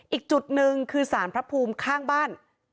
อีกจุดหนึ่งคือสารพระภูมิข้างบ้าน